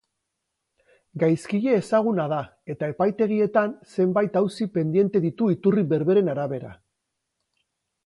Gaizkile ezaguna da eta epaitegietan zenbait auzi pendiente ditum iturri berberen arabera.